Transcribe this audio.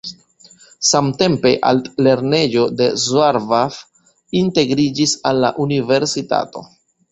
Samtempe altlernejo de Szarvas integriĝis al la universitato.